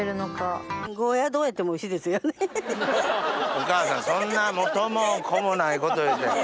お母さんそんな元も子もないこと言うて。